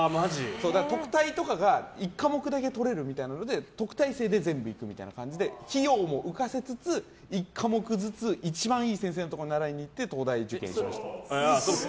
特待とかが１科目だけとれるっていうので特待生で全部行くみたいな感じで費用も浮かせつつ、１科目ずつ一番いい先生のところに習いにいって、東大受験しました。